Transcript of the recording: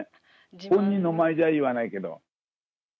本人の前じゃ言わないけど。